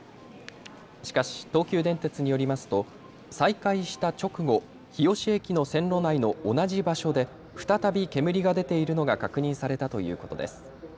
しかし東急電鉄によりますと再開した直後、日吉駅の線路内の同じ場所で再び煙が出ているのが確認されたということです。